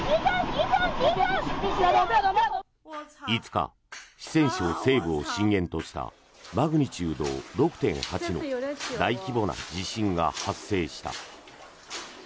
５日、四川省西部を震源としたマグニチュード６．８の大規模な地震が発生した。